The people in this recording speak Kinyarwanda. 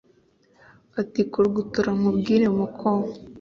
atikurugutura nkubwire muko